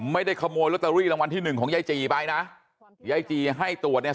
ไม่ได้ขโมยลอตเตอรี่รางวัลที่หนึ่งของยายจีไปนะยายจีให้ตรวจเนี่ย